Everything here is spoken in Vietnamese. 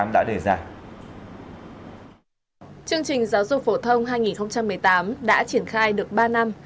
chương trình giáo dục phổ thông hai nghìn một mươi tám đã triển khai được ba năm